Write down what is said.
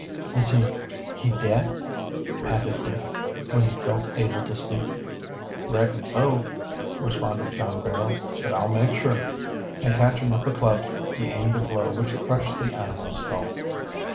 "Is he he dead?" panted Dick, when he felt able to speak. "Reckon so," responded John Barrow. "But I'll make sure." And catching up a club, he aimed a blow which crushed the animal's skull.